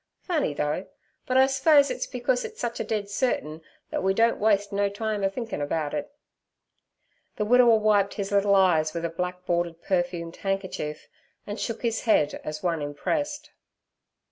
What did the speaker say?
Funny, though, but I s'pose it's becus it's a sich dead certin thet we don't waste no time a thinkin' about it.' The widower wiped his little eyes with a black bordered perfumed handkerchief, and shook his head as one impressed.